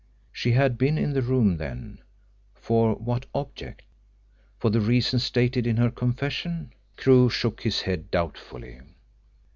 She had been in the room, then. For what object? For the reasons stated in her confession? Crewe shook his head doubtfully.